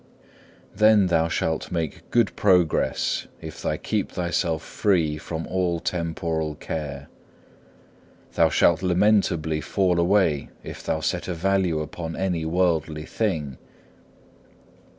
3. Then thou shalt make great progress if thou keep thyself free from all temporal care. Thou shalt lamentably fall away if thou set a value upon any worldly thing.